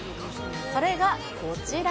それがこちら。